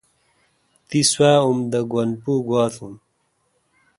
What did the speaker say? تی سوا اوم د گن پو گوا تھون؟